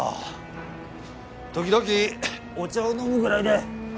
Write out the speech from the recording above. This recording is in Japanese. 時々お茶を飲むぐらいで。